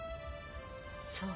そう。